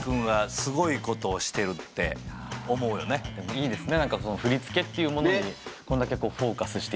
いいですね。